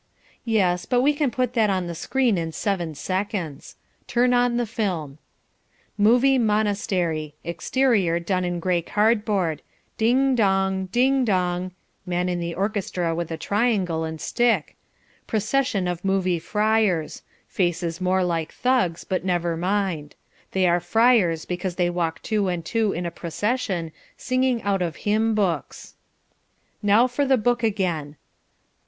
Yes, but we can put that on the screen in seven seconds. Turn on the film. Movie Monastery exterior, done in grey cardboard ding, dong, ding, dong (man in the orchestra with triangle and stick) procession of movie friars faces more like thugs, but never mind they are friars because they walk two and two in a procession, singing out of hymn books. Now for the book again.